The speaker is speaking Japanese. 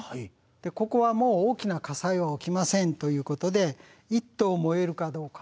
でここはもう大きな火災は起きませんということで１棟燃えるかどうか。